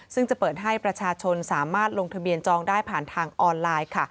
ซึ่งจะเปิดให้ประชาชนสามารถลงทะเบียนจองได้ผ่านทางออนไลน์